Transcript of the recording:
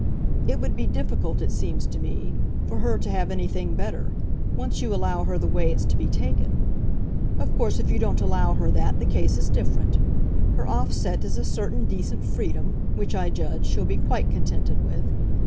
It would be difficult, it seems to me, for her to have anything better once you allow her the way it's to be taken. Of course if you don't allow her that the case is different. Her offset is a certain decent freedom which, I judge, she'll be quite contented with.